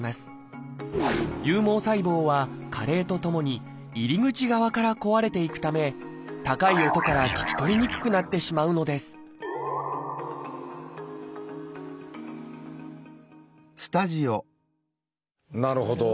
有毛細胞は加齢とともに入り口側から壊れていくため高い音から聞き取りにくくなってしまうのですなるほど。